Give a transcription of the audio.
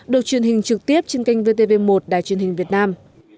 được truyền hình trực tiếp trên kênh vtv một đài truyền hình việt nam